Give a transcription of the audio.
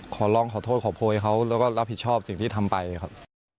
ขอร้องขอโทษขอโพยเขาแล้วก็รับผิดชอบสิ่งที่ทำไปครับ